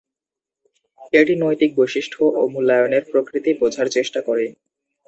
এটি নৈতিক বৈশিষ্ট্য ও মূল্যায়নের প্রকৃতি বোঝার চেষ্টা করে।